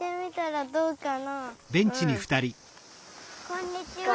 こんにちは。